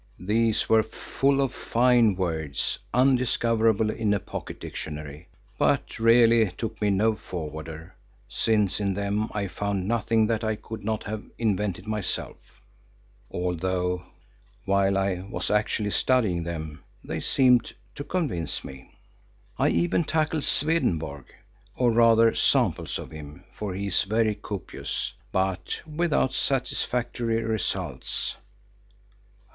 These were full of fine words, undiscoverable in a pocket dictionary, but really took me no forwarder, since in them I found nothing that I could not have invented myself, although while I was actually studying them, they seemed to convince me. I even tackled Swedenborg, or rather samples of him, for he is very copious, but without satisfactory results.